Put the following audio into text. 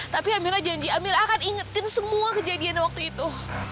tapi amila janji amil akan ingetin semua kejadian waktu itu